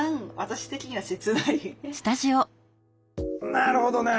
なるほどね。